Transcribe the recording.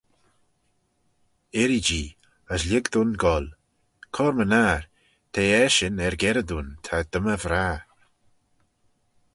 Irree-jee, as lhig dooin goll: cur-my-ner, t'eh eshyn er-gerrey dooin ta dy my vrah.